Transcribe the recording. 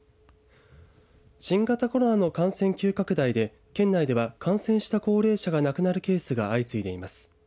新型コロナの感染急拡大で県内では感染した高齢者が亡くなるケースが相次いでいます。